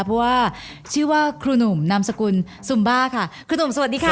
เพราะว่าชื่อว่าครูหนุ่มนามสกุลซุมบ้าค่ะครูหนุ่มสวัสดีค่ะ